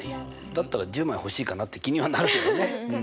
だったら１０枚欲しいかなって気にはなるけどね。